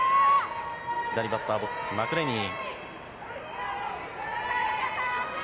左バッターボックスマクレニー。